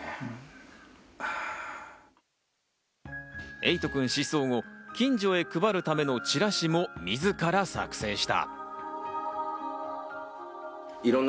エイトくん失踪後、近所へ配るためのチラシも自ら作成した。